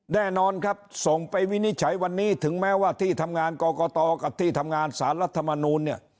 แน่นอนครับส่งไปวินิจฉัยวันนี้ถึงแม้ว่าที่ทำงานกรกตกับที่ทำงานสารรัฐมนูลเนี่ย